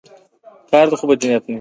لږ تر لږه شپږ اووه مثالونه ورکړو.